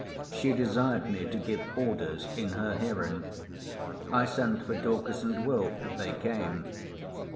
She desired me to give orders in her hearing. I sent for Dorcas and Will. They came.